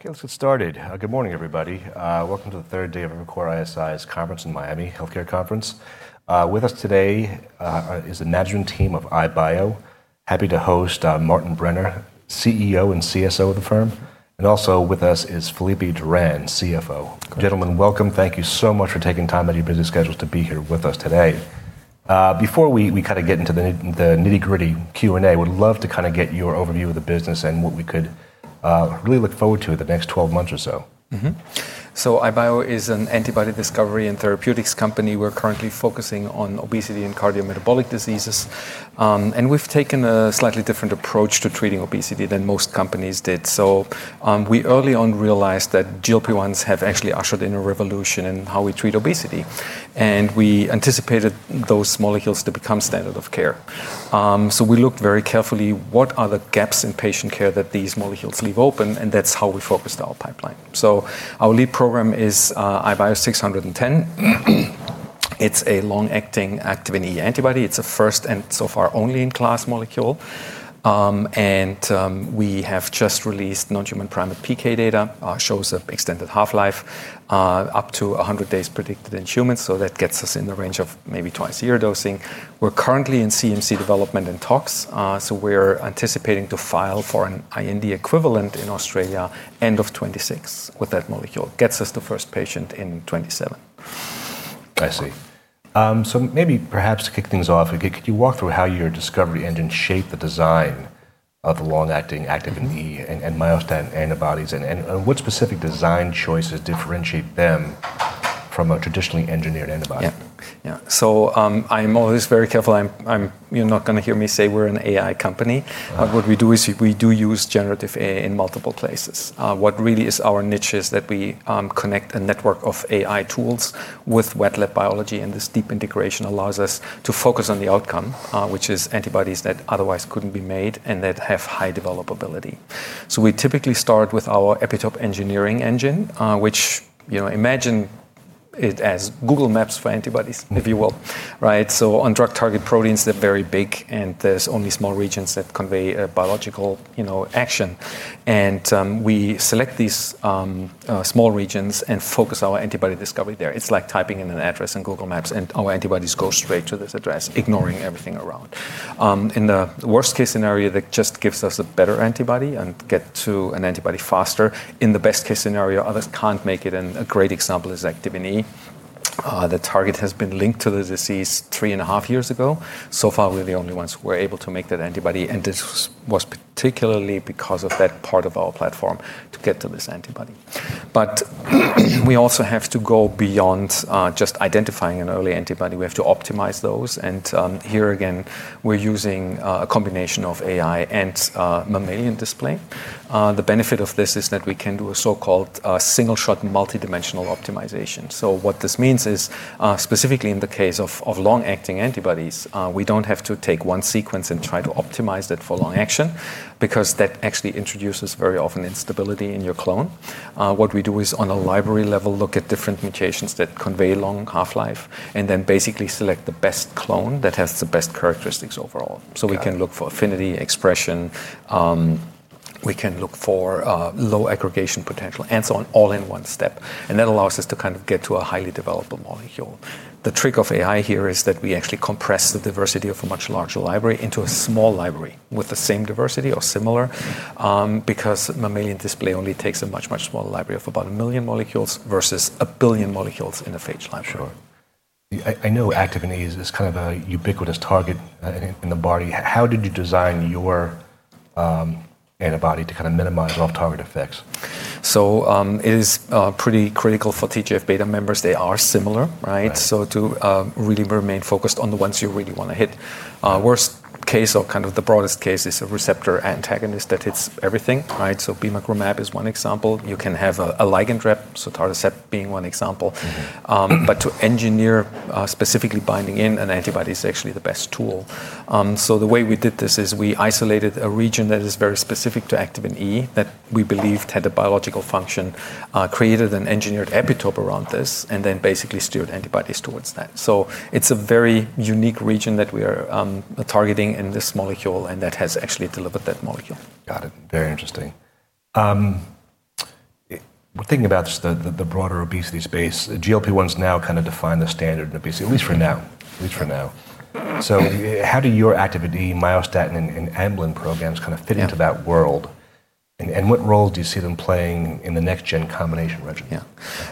Okay, let's get started. Good morning, everybody. Welcome to the third day of the iBio Conference in Miami, Healthcare Conference. With us today is the management team of iBio. Happy to host Martin Brenner, CEO and CSO of the firm. And also with us is Felipe Duran, CFO. Gentlemen, welcome. Thank you so much for taking time out of your busy schedules to be here with us today. Before we kind of get into the nitty-gritty Q&A, we'd love to kind of get your overview of the business and what we could really look forward to in the next 12 months or so. So iBio is an antibody discovery and therapeutics company. We're currently focusing on obesity and cardiometabolic diseases, and we've taken a slightly different approach to treating obesity than most companies did, so we early on realized that GLP-1s have actually ushered in a revolution in how we treat obesity, and we anticipated those molecules to become standard of care, so we looked very carefully at what are the gaps in patient care that these molecules leave open, and that's how we focused our pipeline, so our lead program is `IBIO-610. It's a long-acting Activin E antibody. It's a first and so far only in class molecule, and we have just released non-human primate PK data. It shows an extended half-life, up to 100 days predicted in humans, so that gets us in the range of maybe twice a year dosing. We're currently in CMC development and tox. So we're anticipating to file for an IND equivalent in Australia end of 2026 with that molecule. It gets us the first patient in 2027. I see. So maybe perhaps to kick things off, could you walk through how your discovery engine shaped the design of the long-acting Activin E and Myostatin antibodies? And what specific design choices differentiate them from a traditionally engineered antibody? Yeah. So I'm always very careful. You're not going to hear me say we're an AI company. What we do is we do use generative AI in multiple places. What really is our niche is that we connect a network of AI tools with wet lab biology. And this deep integration allows us to focus on the outcome, which is antibodies that otherwise couldn't be made and that have high developability. So we typically start with our epitope engineering engine, which, imagine it as Google Maps for antibodies, if you will. So on drug target proteins, they're very big. And there's only small regions that convey biological action. And we select these small regions and focus our antibody discovery there. It's like typing in an address in Google Maps. And our antibodies go straight to this address, ignoring everything around. In the worst-case scenario, that just gives us a better antibody and gets to an antibody faster. In the best-case scenario, others can't make it. And a great example is Activin E. The target has been linked to the disease three and a half years ago. So far, we're the only ones who were able to make that antibody. And this was particularly because of that part of our platform to get to this antibody. But we also have to go beyond just identifying an early antibody. We have to optimize those. And here again, we're using a combination of AI and mammalian display. The benefit of this is that we can do a so-called single-shot multidimensional optimization. So what this means is, specifically in the case of long-acting antibodies, we don't have to take one sequence and try to optimize that for long-acting, because that actually introduces very often instability in your clone. What we do is, on a library level, look at different mutations that convey long half-life, and then basically select the best clone that has the best characteristics overall. So we can look for affinity, expression. We can look for low aggregation potential. And so on, all in one step. And that allows us to kind of get to a highly developable molecule. The trick of AI here is that we actually compress the diversity of a much larger library into a small library with the same diversity or similar, because mammalian display only takes a much, much smaller library of about a million molecules versus a billion molecules in a phage library. Sure. I know Activin E is kind of a ubiquitous target in the body. How did you design your antibody to kind of minimize off-target effects? So it is pretty critical for TGF-beta members. They are similar. So to really remain focused on the ones you really want to hit. Worst case, or kind of the broadest case, is a receptor antagonist that hits everything. So Bimagrumab is one example. You can have a ligand trap, Sotatercept being one example. But to engineer specifically binding in an antibody is actually the best tool. So the way we did this is we isolated a region that is very specific to Activin E that we believed had a biological function, created an engineered epitope around this, and then basically steered antibodies towards that. So it's a very unique region that we are targeting in this molecule, and that has actually delivered that molecule. Got it. Very interesting. We're thinking about the broader obesity space. GLP-1s now kind of define the standard in obesity, at least for now. At least for now. So how do your Activin, myostatin, and Amylin programs kind of fit into that world? And what role do you see them playing in the next-gen combination regimen? Yeah.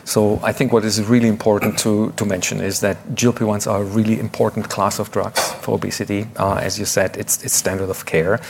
So I think what is really important to mention is that GLP-1s are a really important class of drugs for obesity. As you said, it's standard of care.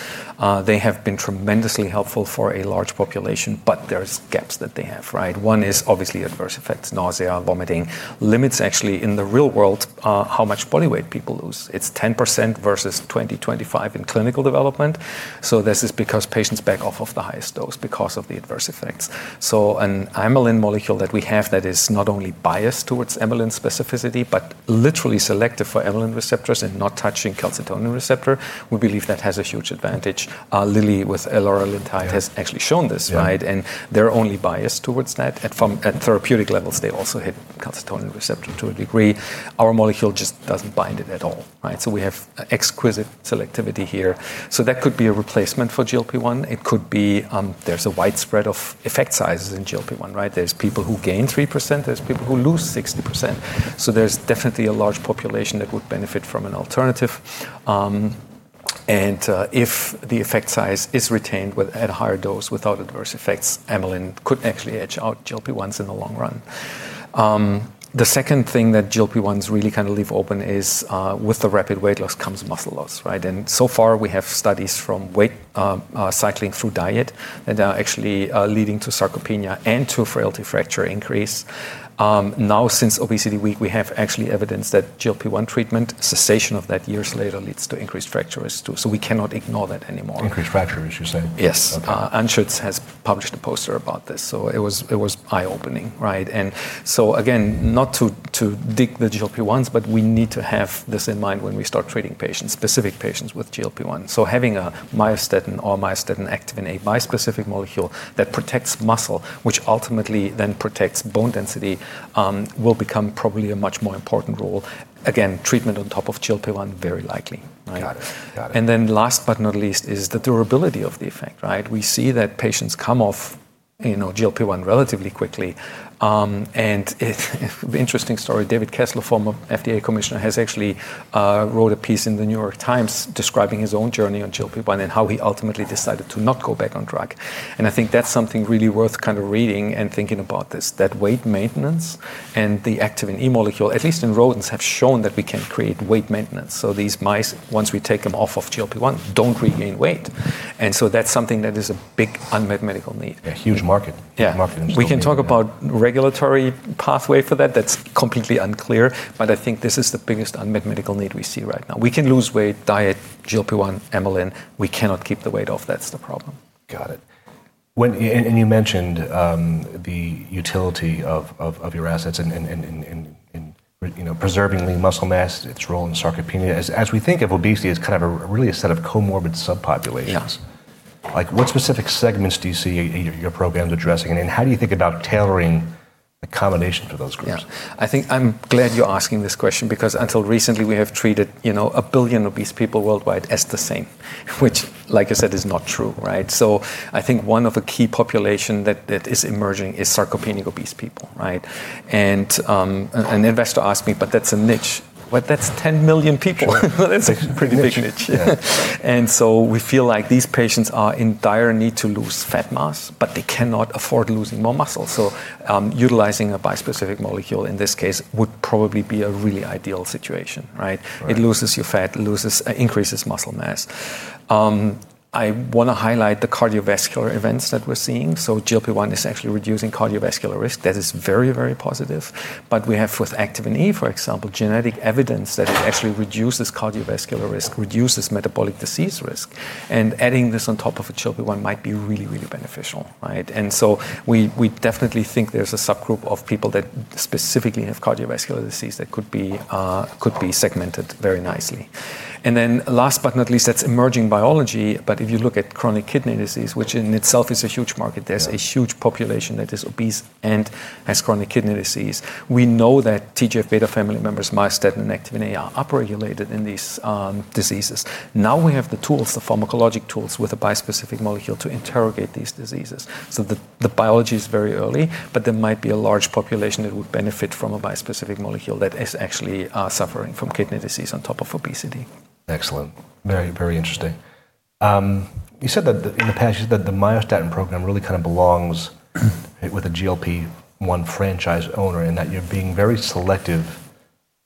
They have been tremendously helpful for a large population. But there are gaps that they have. One is obviously adverse effects: nausea, vomiting. Limits actually in the real world how much body weight people lose. It's 10% versus 20%, 25% in clinical development. So this is because patients back off of the highest dose because of the adverse effects. So an Amylin molecule that we have that is not only biased towards Amylin specificity, but literally selective for Amylin receptors and not touching calcitonin receptor, we believe that has a huge advantage. Lilly with Eloralintide has actually shown this. And they're only biased towards that. At therapeutic levels, they also hit calcitonin receptor to a degree. Our molecule just doesn't bind it at all, so we have exquisite selectivity here, so that could be a replacement for GLP-1. It could be there's a widespread of effect sizes in GLP-1. There's people who gain 3%. There's people who lose 60%, so there's definitely a large population that would benefit from an alternative, and if the effect size is retained at a higher dose without adverse effects, Amylin could actually edge out GLP-1s in the long run. The second thing that GLP-1s really kind of leave open is with the rapid weight loss comes muscle loss, and so far, we have studies from weight cycling through diet that are actually leading to sarcopenia and to frailty fracture increase. Now, since Obesity Week, we have actually evidence that GLP-1 treatment, cessation of that years later, leads to increased fracture risk too, so we cannot ignore that anymore. Increased fracture risk, you're saying? Yes. Unschütz has published a poster about this. It was eye-opening. Again, not to dig the GLP-1s, but we need to have this in mind when we start treating patients, specific patients with GLP-1. Having a myostatin or myostatin Activin A bispecific molecule that protects muscle, which ultimately then protects bone density, will become probably a much more important role. Again, treatment on top of GLP-1, very likely. Got it. And then last but not least is the durability of the effect. We see that patients come off GLP-1 relatively quickly. And interesting story, David Kessler, former FDA Commissioner, has actually wrote a piece in The New York Times describing his own journey on GLP-1 and how he ultimately decided to not go back on drug. And I think that's something really worth kind of reading and thinking about this, that weight maintenance and the Activin E molecule, at least in rodents, have shown that we can create weight maintenance. So these mice, once we take them off of GLP-1, don't regain weight. And so that's something that is a big unmet medical need. A huge market. Yeah. We can talk about regulatory pathway for that. That's completely unclear. But I think this is the biggest unmet medical need we see right now. We can lose weight, diet, GLP-1, Amylin. We cannot keep the weight off. That's the problem. Got it. And you mentioned the utility of your assets in preserving the muscle mass, its role in sarcopenia. As we think of obesity as kind of really a set of comorbid subpopulations, what specific segments do you see your programs addressing? And how do you think about tailoring accommodation for those groups? Yeah. I think I'm glad you're asking this question, because until recently, we have treated a billion obese people worldwide as the same, which, like I said, is not true. So I think one of the key populations that is emerging is sarcopenic obese people. And an investor asked me, but that's a niche. But that's 10 million people. That's a pretty big niche. And so we feel like these patients are in dire need to lose fat mass, but they cannot afford losing more muscle. So utilizing a bispecific molecule in this case would probably be a really ideal situation. It loses your fat, increases muscle mass. I want to highlight the cardiovascular events that we're seeing. So GLP-1 is actually reducing cardiovascular risk. That is very, very positive. But we have with Activin E, for example, genetic evidence that it actually reduces cardiovascular risk, reduces metabolic disease risk. Adding this on top of a GLP-1 might be really, really beneficial. We definitely think there's a subgroup of people that specifically have cardiovascular disease that could be segmented very nicely. Then last but not least, that's emerging biology. If you look at chronic kidney disease, which in itself is a huge market, there's a huge population that is obese and has chronic kidney disease. We know that TGF-beta family members, myostatin, and Activin A are upregulated in these diseases. Now we have the tools, the pharmacologic tools with a bispecific molecule to interrogate these diseases. The biology is very early. There might be a large population that would benefit from a bispecific molecule that is actually suffering from kidney disease on top of obesity. Excellent. Very, very interesting. You said that in the past, you said that the myostatin program really kind of belongs with a GLP-1 franchise owner in that you're being very selective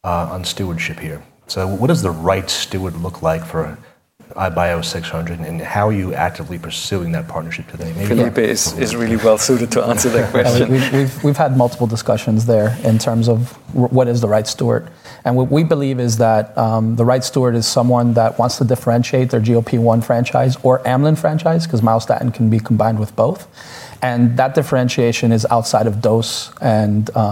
on stewardship here. So what does the right steward look like for IBIO-600? And how are you actively pursuing that partnership today? Felipe is really well-suited to answer that question. We've had multiple discussions there in terms of what is the right steward, and what we believe is that the right steward is someone that wants to differentiate their GLP-1 franchise or Amylin franchise, because myostatin can be combined with both. And that differentiation is outside of dose and delivery.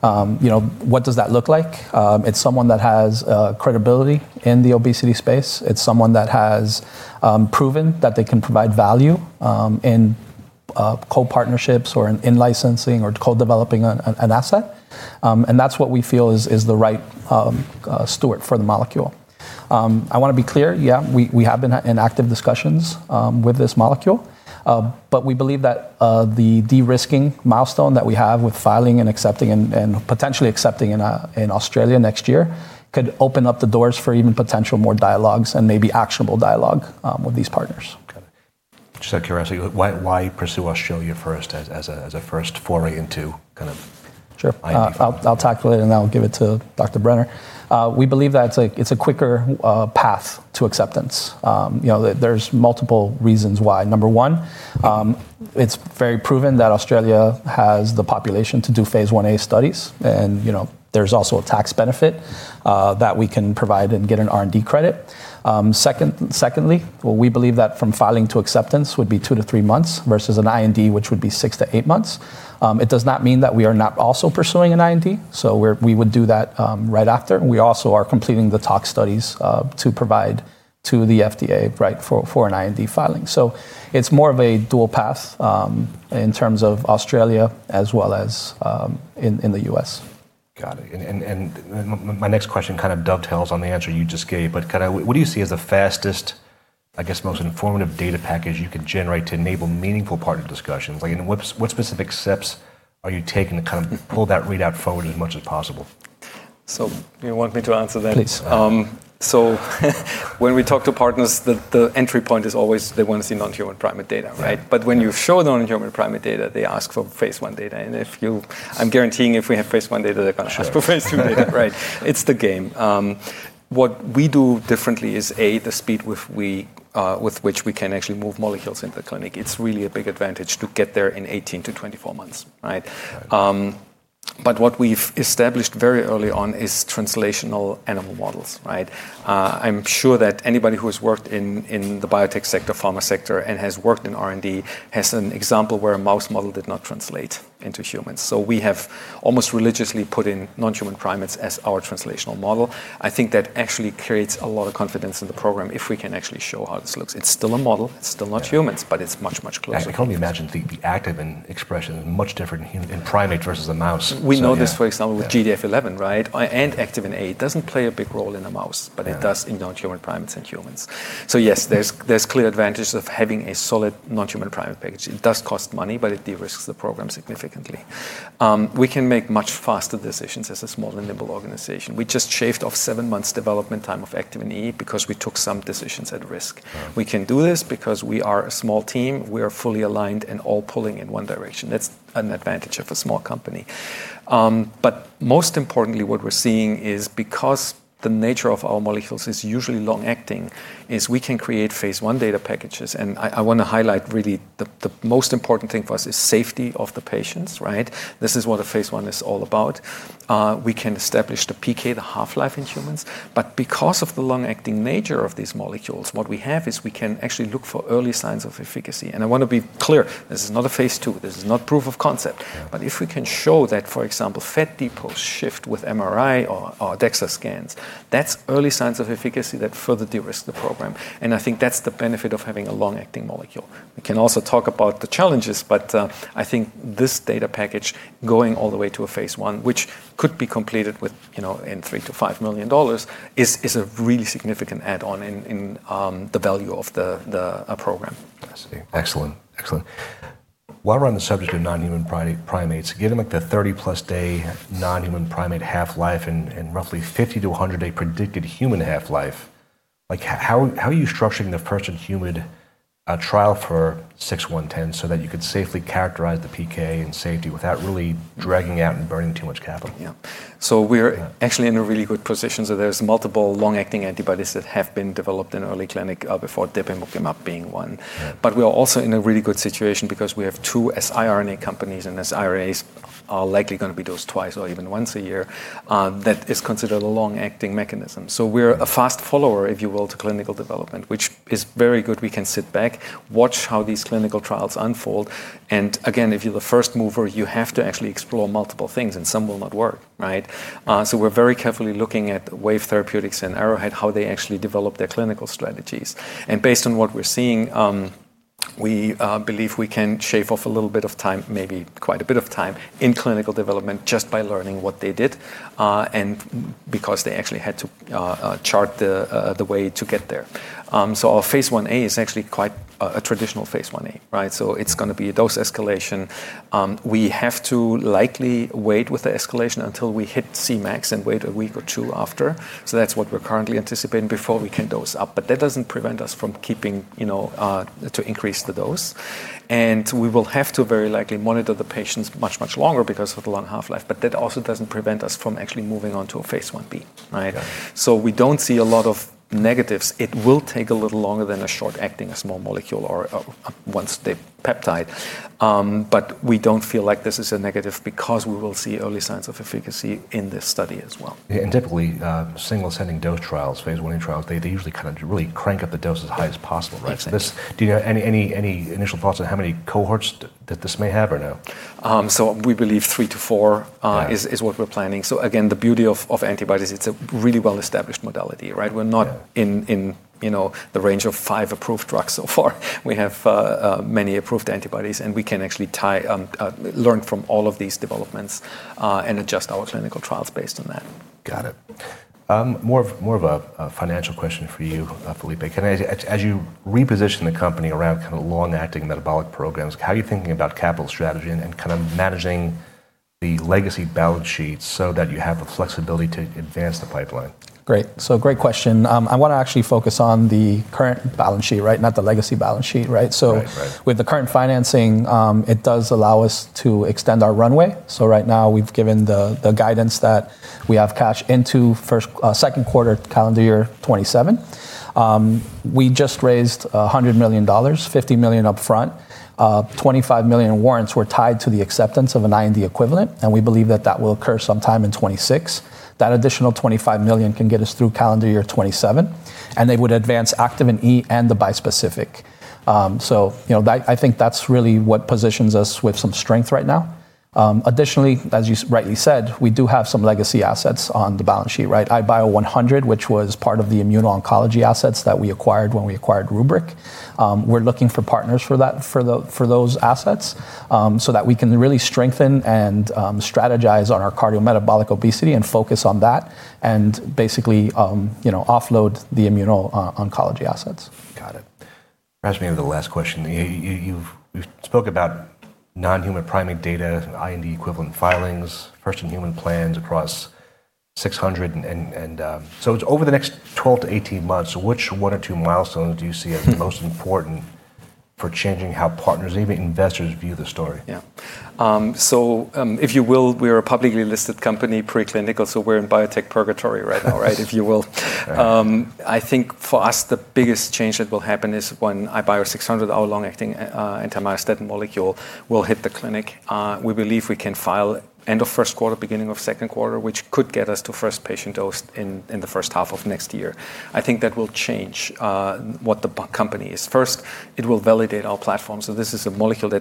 What does that look like? It's someone that has credibility in the obesity space. It's someone that has proven that they can provide value in co-partnerships or in licensing or co-developing an asset, and that's what we feel is the right steward for the molecule. I want to be clear. Yeah, we have been in active discussions with this molecule, but we believe that the de-risking milestone that we have with filing and accepting and potentially accepting in Australia next year could open up the doors for even potential more dialogues and maybe actionable dialogue with these partners. Just out of curiosity, why pursue Australia first as a first foray into kind of IND? Sure. I'll tackle it, and I'll give it to Dr. Brenner. We believe that it's a quicker path to acceptance. There's multiple reasons why. Number one, it's very proven that Australia has the population to do phase Ia studies. And there's also a tax benefit that we can provide and get an R&D credit. Secondly, we believe that from filing to acceptance would be two-to-three months versus an IND, which would be six-to-eight months. It does not mean that we are not also pursuing an IND. So we would do that right after. We also are completing the tox studies to provide to the FDA for an IND filing. So it's more of a dual path in terms of Australia as well as in the U.S. Got it. And my next question kind of dovetails on the answer you just gave. But kind of what do you see as the fastest, I guess, most informative data package you can generate to enable meaningful partner discussions? What specific steps are you taking to kind of pull that readout forward as much as possible? So you want me to answer that? Please. When we talk to partners, the entry point is always they want to see non-human primate data. But when you show them non-human primate data, they ask for phase I data. And I'm guaranteeing if we have phase I data, they're going to ask for phase II data. It's the game. What we do differently is, A, the speed with which we can actually move molecules into the clinic. It's really a big advantage to get there in 18-24 months. But what we've established very early on is translational animal models. I'm sure that anybody who has worked in the biotech sector, pharma sector, and has worked in R&D has an example where a mouse model did not translate into humans. So we have almost religiously put in non-human primates as our translational model. I think that actually creates a lot of confidence in the program if we can actually show how this looks. It's still a model. It's still not humans, but it's much, much closer. I can only imagine the activin expression is much different in primates versus a mouse. We know this, for example, with GDF11 and Activin A. It doesn't play a big role in a mouse, but it does in non-human primates and humans. So yes, there's clear advantages of having a solid non-human primate package. It does cost money, but it de-risks the program significantly. We can make much faster decisions as a small and nimble organization. We just shaved off seven months development time of activin E because we took some decisions at risk. We can do this because we are a small team. We are fully aligned and all pulling in one direction. That's an advantage of a small company. But most importantly, what we're seeing is because the nature of our molecules is usually long-acting, we can create phase 1 data packages. And I want to highlight really the most important thing for us is safety of the patients. This is what a phase I is all about. We can establish the PK, the half-life in humans. But because of the long-acting nature of these molecules, what we have is we can actually look for early signs of efficacy. I want to be clear. This is not a phase II. This is not proof of concept. If we can show that, for example, fat depots shift with MRI or DEXA scans, that's early signs of efficacy that further de-risk the program. I think that's the benefit of having a long-acting molecule. We can also talk about the challenges. I think this data package going all the way to a phase I, which could be completed in $3-$5 million, is a really significant add-on in the value of the program. I see. Excellent. Excellent. While we're on the subject of non-human primates, given the 30-plus day non-human primate half-life and roughly 50-100-day predicted human half-life, how are you structuring the first-in-human trial for 6110 so that you could safely characterize the PK and safety without really dragging out and burning too much capital? Yeah. So we're actually in a really good position. So there's multiple long-acting antibodies that have been developed in early clinic before Depemokimab being one. But we are also in a really good situation because we have two siRNA companies. And siRNAs are likely going to be dosed twice or even once a year. That is considered a long-acting mechanism. So we're a fast follower, if you will, to clinical development, which is very good. We can sit back, watch how these clinical trials unfold. And again, if you're the first mover, you have to actually explore multiple things. And some will not work. So we're very carefully looking at Wave Life Sciences and Arrowhead, how they actually develop their clinical strategies. Based on what we're seeing, we believe we can shave off a little bit of time, maybe quite a bit of time in clinical development just by learning what they did and because they actually had to chart the way to get there. Our phase Ia is actually quite a traditional phase Ia. It's going to be a dose escalation. We have to likely wait with the escalation until we hit Cmax and wait a week or two after. That's what we're currently anticipating before we can dose up. That doesn't prevent us from keeping to increase the dose. We will have to very likely monitor the patients much, much longer because of the long half-life. That also doesn't prevent us from actually moving on to a phase Ib. We don't see a lot of negatives. It will take a little longer than a short-acting small molecule or once the peptide, but we don't feel like this is a negative because we will see early signs of efficacy in this study as well. Typically, single-ascending dose trials, phase Ia trials, they usually kind of really crank up the dose as high as possible. Do you have any initial thoughts on how many cohorts that this may have or no? So we believe three to four is what we're planning. So again, the beauty of antibodies, it's a really well-established modality. We're not in the range of five approved drugs so far. We have many approved antibodies. And we can actually learn from all of these developments and adjust our clinical trials based on that. Got it. More of a financial question for you, Felipe. As you reposition the company around kind of long-acting metabolic programs, how are you thinking about capital strategy and kind of managing the legacy balance sheets so that you have the flexibility to advance the pipeline? Great. So great question. I want to actually focus on the current balance sheet, not the legacy balance sheet. So with the current financing, it does allow us to extend our runway. So right now, we've given the guidance that we have cash into second quarter calendar year 2027. We just raised $100 million, $50 million upfront. $25 million warrants were tied to the acceptance of an IND equivalent. And we believe that that will occur sometime in 2026. That additional $25 million can get us through calendar year 2027. And they would advance Activin E and the bispecific. So I think that's really what positions us with some strength right now. Additionally, as you rightly said, we do have some legacy assets on the balance sheet. IBIO-100, which was part of the immuno-oncology assets that we acquired when we acquired RubrYc. We're looking for partners for those assets so that we can really strengthen and strategize on our cardiometabolic obesity and focus on that and basically offload the immuno-oncology assets. Got it. Felipe, I have the last question. You've spoke about non-human primate data, IND equivalent filings, first-in-human plans across 600. And so over the next 12-18 months, which one or two milestones do you see as most important for changing how partners, even investors, view the story? Yeah, so if you will, we are a publicly listed company, preclinical, so we're in biotech purgatory right now, if you will. I think for us, the biggest change that will happen is when IBIO-600, our long-acting anti-myostatin molecule, will hit the clinic. We believe we can file end of first quarter, beginning of second quarter, which could get us to first patient dose in the first half of next year. I think that will change what the company is. First, it will validate our platform, so this is a molecule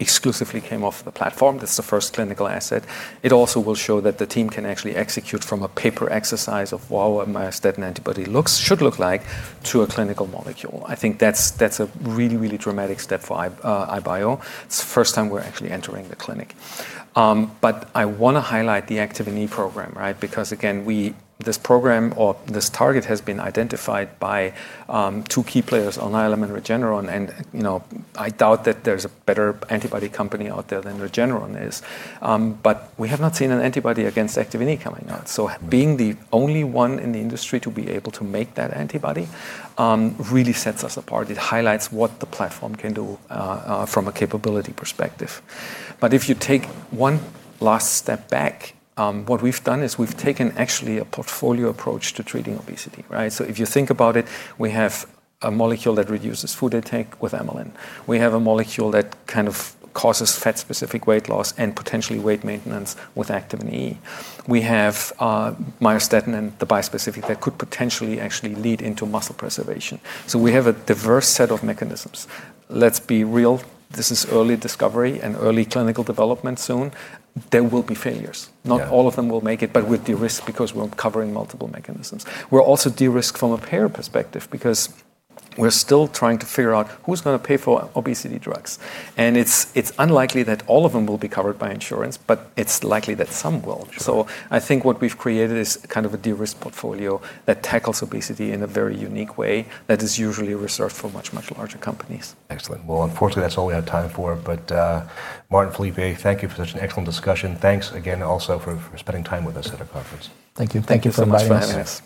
that exclusively came off the platform. That's the first clinical asset. It also will show that the team can actually execute from a paper exercise of what myostatin antibody should look like to a clinical molecule. I think that's a really, really dramatic step for iBio. It's the first time we're actually entering the clinic. But I want to highlight the Activin E program, because again, this program or this target has been identified by two key players, Alnylam and Regeneron. And I doubt that there's a better antibody company out there than Regeneron is. But we have not seen an antibody against Activin E coming out. So being the only one in the industry to be able to make that antibody really sets us apart. It highlights what the platform can do from a capability perspective. But if you take one last step back, what we've done is we've taken actually a portfolio approach to treating obesity. So if you think about it, we have a molecule that reduces food intake with Amylin. We have a molecule that kind of causes fat-specific weight loss and potentially weight maintenance with Activin E. We have myostatin and the bispecific that could potentially actually lead into muscle preservation. So we have a diverse set of mechanisms. Let's be real. This is early discovery and early clinical development soon. There will be failures. Not all of them will make it, but we're de-risked because we're covering multiple mechanisms. We're also de-risked from a payer perspective because we're still trying to figure out who's going to pay for obesity drugs. And it's unlikely that all of them will be covered by insurance, but it's likely that some will. So I think what we've created is kind of a de-risk portfolio that tackles obesity in a very unique way that is usually reserved for much, much larger companies. Excellent. Well, unfortunately, that's all we have time for. But Martin, Felipe, thank you for such an excellent discussion. Thanks again also for spending time with us at our conference. Thank you. Thank you for inviting us.